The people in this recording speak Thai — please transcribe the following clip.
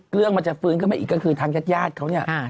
เกลืองมันจะฟื้นขึ้นมาอีกก็คือทางญาติยาติเขา